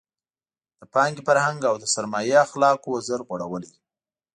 د پانګې فرهنګ او د سرمایې اخلاقو وزر غوړولی.